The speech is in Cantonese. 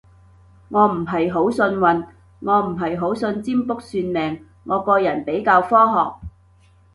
我唔係好信運，我唔係好信占卜算命，我個人比較科學